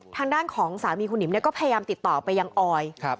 ทางด้านของสามีคุณหิมก็พยายามติดต่อไปยังออย